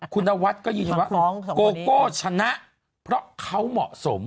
คุณนวัดก็ยืนยันว่าโกโก้ชนะเพราะเขาเหมาะสม